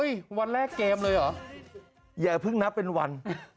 วันแรกเกมเลยเหรออย่าเพิ่งนับเป็นวัน